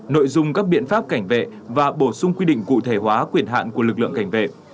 nội dung các biện pháp cảnh vệ và bổ sung quy định cụ thể hóa quyền hạn của lực lượng cảnh vệ